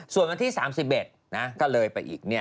ส่วนวันที่๓๑ก็เลยไปอีก